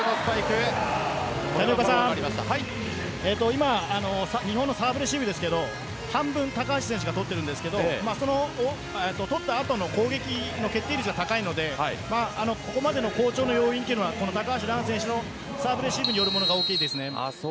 今、日本のサーブレシーブですが半分高橋選手が取っていますが取った後の攻撃の決定率が高いのでこれまでの好調の要因というのは高橋藍選手のサーブレシーブによるものが大きいです。